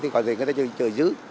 thì có thể người ta chờ giữ